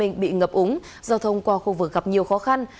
trong khi bị ngập úng giao thông qua khu vực gặp nhiều khó khăn